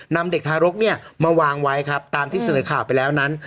นำเด็กทารกเนี่ยมาวางไว้ครับตามที่เสนอข่าวไปแล้วนั้น